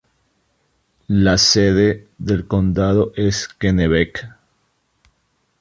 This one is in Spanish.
La sede del condado es Kennebec.